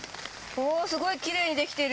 おー、すごいきれいに出来てる。